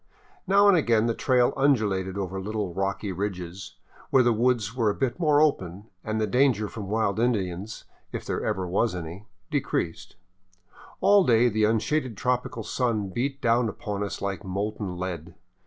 Now and again the trail undulated over little rocky ridges, where the woods were a bit more open and the danger from wild Indians — if there ever was any — decreased. All day the unshaded tropical sun beat down upon us like molten lead.